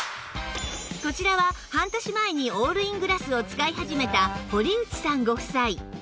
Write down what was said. こちらは半年前にオールイングラスを使い始めた堀内さんご夫妻